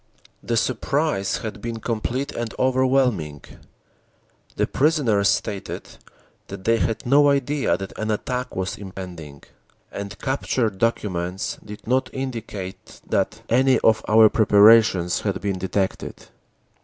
"The surprise had been complete and overwhelming. The prisoners stated that they had no idea that an attack was impending, and captured documents did not indicate that any of our preparations had been detected.